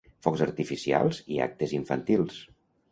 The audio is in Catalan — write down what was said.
Focs artificials i actes infantils.